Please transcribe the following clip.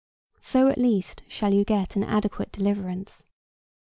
So at least shall you get an adequate deliverance.